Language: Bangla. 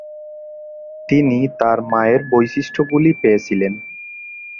তিনি তার মায়ের বৈশিষ্ট্যগুলি পেয়েছিলেন।